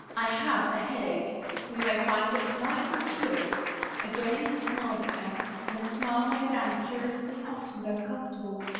" I have a headache." " We may find that to night will cure it." Again he smiled at her, and the smile made Anne curiously hot and uncomfortable.